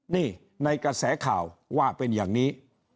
นี่ในกระแสข่าวว่าเป็นอย่างนี้